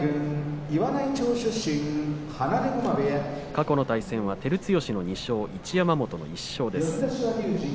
過去の対戦は照強の２勝一山本の１勝です。